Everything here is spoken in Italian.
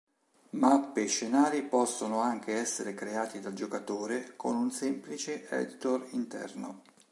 Mappe e scenari possono anche essere creati dal giocatore con un semplice editor interno.